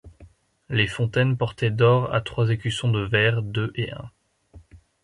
Les Fontaines portaient d’or à trois écussons de vair, deux et un.